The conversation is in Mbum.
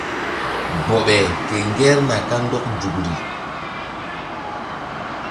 Bɔɓe ke ŋgerna kandɔk nzukri.